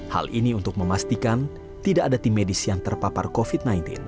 hal ini untuk memastikan tidak ada tim medis yang terpapar covid sembilan belas